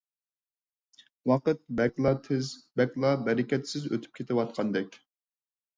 ۋاقىت بەكلا تېز، بەكلا بەرىكەتسىز ئۆتۈپ كېتىۋاتقاندەك.